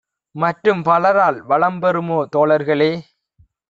மற்றும் பலரால் வளம்பெறுமோ தோழர்களே!